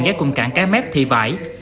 ghé cùng cảng cái mép thị vải